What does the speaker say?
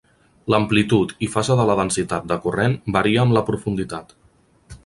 L'amplitud i fase de la densitat de corrent varia amb la profunditat.